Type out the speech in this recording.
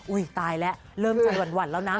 ตายแล้วเริ่มจะหวั่นแล้วนะ